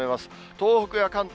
東北や関東